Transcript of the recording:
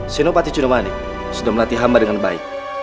senopati jundumanik sudah melatih hamba dengan baik